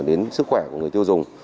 đến sức khỏe của người tiêu dùng